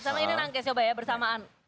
sama ini nangkis coba ya bersamaan